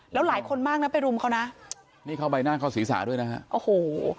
แล้วหลายคนมากนะไปรุมเขานะนี่เข้าใบหน้าเข้าศีรษะด้วยนะฮะโอ้โห